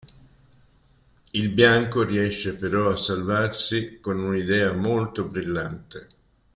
Il bianco riesce però a salvarsi con un'idea molto brillante.